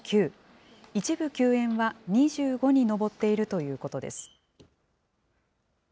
一部休園は２５に上っているということです。